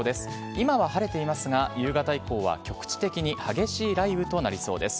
今は晴れていますが、夕方以降は局地的に激しい雷雨となりそうです。